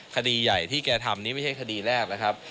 คดีใหญ่ที่แกทำนี่ไม่ใช่คดีแรกนะครับ